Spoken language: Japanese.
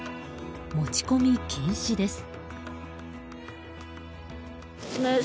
持ち込み禁止です。